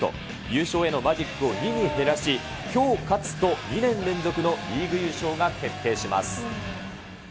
優勝へのマジックを２に減らし、きょう勝つと２年連続のリーグ優勝が決定します。